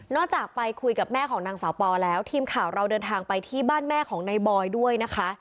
จากไปคุยกับแม่ของนางสาวปอแล้วทีมข่าวเราเดินทางไปที่บ้านแม่ของนายบอยด้วยนะคะ